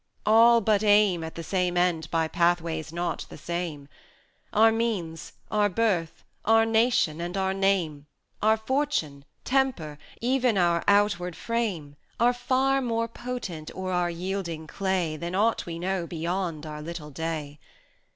all but aim At the same end by pathways not the same; Our means our birth our nation, and our name, Our fortune temper even our outward frame, Are far more potent o'er our yielding clay Than aught we know beyond our little day.